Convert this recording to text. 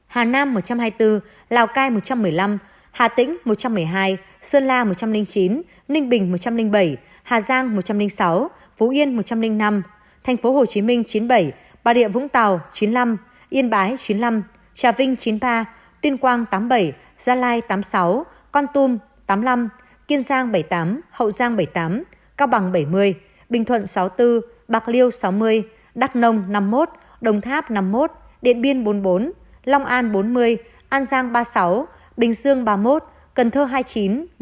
hà nam một trăm hai mươi bốn lào cai một trăm một mươi năm hà tĩnh một trăm một mươi hai sơn la một trăm linh chín ninh bình một trăm linh bảy hà giang một trăm linh sáu phú yên một trăm linh năm thành phố hồ chí minh chín mươi bảy bà địa vũng tàu chín mươi năm yên bái chín mươi năm trà vinh chín mươi ba tuyên quang tám mươi bảy gia lai tám mươi sáu con tum tám mươi năm kiên giang bảy mươi tám hậu giang bảy mươi tám cao bằng bảy mươi bình thuận sáu mươi bốn bạc liêu sáu mươi đắk nông năm mươi một đồng tháp năm mươi một điện biên bốn mươi một điện biên bốn mươi một điện biên bốn mươi một điện biên bốn mươi một điện biên bốn mươi một điện biên bốn mươi một điện biên bốn mươi một điện biên bốn mươi một điện biên bốn mươi một điện biên bốn mươi một điện biên bốn mươi một đ